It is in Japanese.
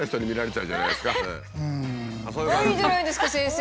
いいじゃないですか先生！